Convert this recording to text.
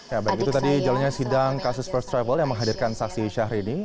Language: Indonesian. ya baik itu tadi jalannya sidang kasus first travel yang menghadirkan saksi syahrini